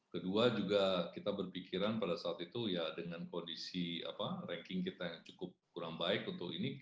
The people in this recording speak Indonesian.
kedua juga kita berpikiran pada saat itu ya dengan kondisi ranking kita yang cukup kurang baik untuk ini